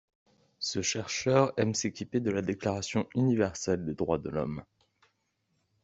Ce chercheur aime s'équiper de la Déclaration Universelle des Droits de l'Homme.